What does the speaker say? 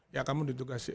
ya kamu ditugasin